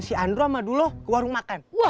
si andro sama duloh ke warung makan